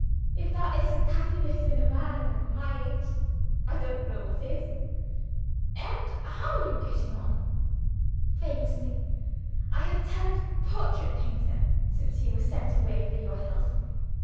If that isn't happiness (in a man of my age) I don't know what is!" "And how are you getting on?" "Famously! I have turned portrait painter, since you were sent away for your health.